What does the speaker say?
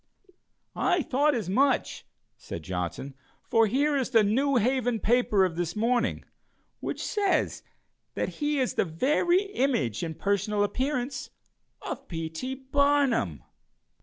"I thought as much," said Johnson, "for here is the New Haven paper of this morning, which says that he is the very image, in personal appearance, of P. T. Barnum."